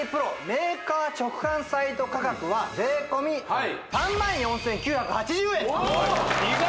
メーカー直販サイト価格は税込３万４９８０円おっ意外！